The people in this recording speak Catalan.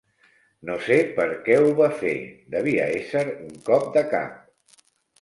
No sé per què ho va fer, devia ésser un cop de cap.